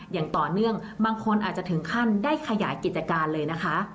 อย่างต่อเนื่องบางคนอาจจะถึงขั้นได้ขยายกิจการเลยนะคะ